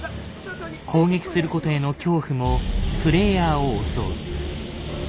攻撃することへの恐怖もプレイヤーを襲う。